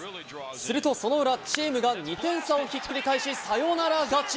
するとその裏、チームが２点差をひっくり返し、サヨナラ勝ち。